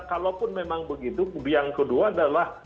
kalaupun memang begitu yang kedua adalah